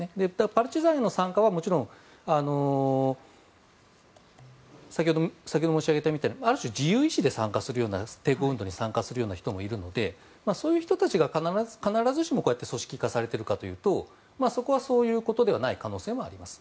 パルチザンへの参加はもちろん先ほど申し上げたみたいにある種自由意思で参加するような抵抗運動に参加するような人もいるのでそういう人たちが必ずしもこうやって組織化されているかというとそこはそういうことではない可能性もあります。